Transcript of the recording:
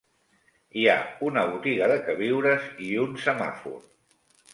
Hi ha una botiga de queviures i un semàfor.